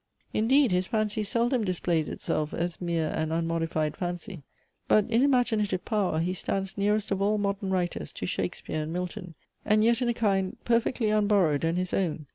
Indeed his fancy seldom displays itself, as mere and unmodified fancy. But in imaginative power, he stands nearest of all modern writers to Shakespeare and Milton; and yet in a kind perfectly unborrowed and his own.